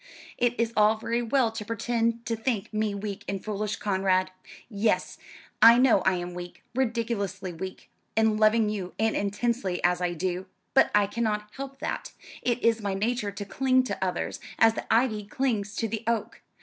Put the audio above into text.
"It is all very well to pretend to think me weak and foolish, Conrad. Yes, I know I am weak, ridiculously weak, in loving you as intensely as I do. But I cannot help that. It is my nature to cling to others, as the ivy clings to the oak.